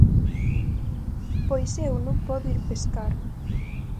–Pois eu non podo ir pescar.